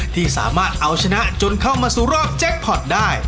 ที่สามารถเอาชนะจนเข้ามาสู่รอบแจ็คพอร์ตได้